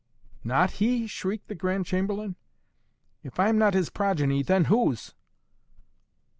"Not he?" shrieked the Grand Chamberlain. "If I am not his progeny, then whose?"